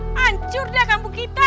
hancur dah kampung kita